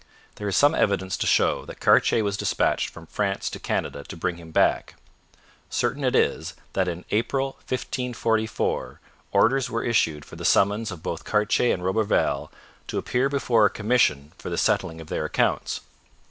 There is some evidence to show that Cartier was dispatched from France to Canada to bring him back. Certain it is that in April 1544 orders were issued for the summons of both Cartier and Roberval to appear before a commission for the settling of their accounts.